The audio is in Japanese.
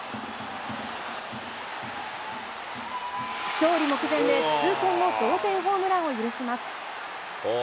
勝利目前で痛恨の同点ホームランを許します。